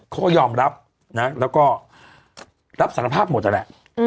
เขายอมรับนะแล้วก็รับสารภาพหมดแล้วแหละอืม